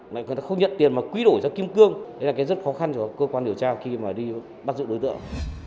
rồi người ta không nhận tiền mà quy đổi ra kim cương đấy là cái rất khó khăn của cơ quan điều tra khi mà đi bắt giữ đối tượng